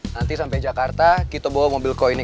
nanti sampai jakarta kita bawa mobil koini